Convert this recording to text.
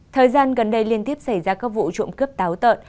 thời gian gần đây liên tiếp xảy ra các vụ trộm cướp táo tợn